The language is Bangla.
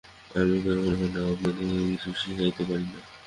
আমি কোন কালে আপনাদিগকে কিছু শিখাইতে পারি না।